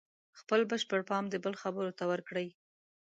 خپل بشپړ پام د بل خبرو ته ورکړئ.